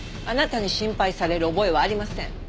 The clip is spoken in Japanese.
あなたに心配される覚えはありません。